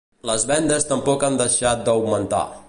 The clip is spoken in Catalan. Les vendes tampoc han deixat d'augmentar.